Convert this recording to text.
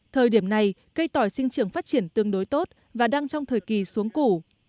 thời điểm này cây tỏi sinh trưởng phát triển tương đối tốt và đang trong thời kỳ xuống củ